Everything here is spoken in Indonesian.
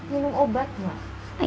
minum obat enggak